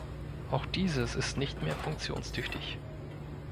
Auch dieses ist nicht mehr funktionstüchtig.